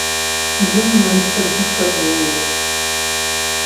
Вым нэмысыр гуфэм йоуэ.